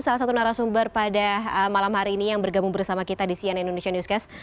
salah satu narasumber pada malam hari ini yang bergabung bersama kita di cnn indonesia newscast